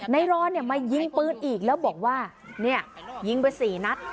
ไนรอนมายิงปื้นอีกแล้วบอกว่านี่ยิงไป๔นัท